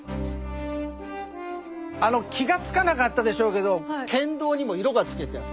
あの気が付かなかったでしょうけど県道にも色がつけてある。